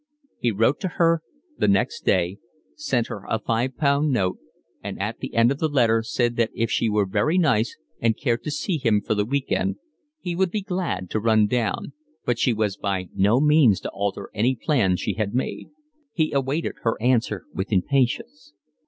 He wrote to her next day, sent her a five pound note, and at the end of his letter said that if she were very nice and cared to see him for the week end he would be glad to run down; but she was by no means to alter any plans she had made. He awaited her answer with impatience.